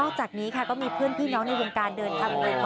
จากนี้ค่ะก็มีเพื่อนพี่น้องในวงการเดินทาง